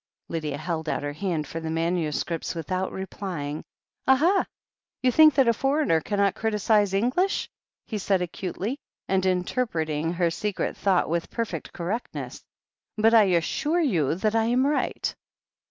Lydia held out her hand for the manuscripts with out replying. "Aha, you think that a foreigner cannot criticize English," he said acutely, and interpreting her secret thought with perfect correctness. "But I assure you that I am right.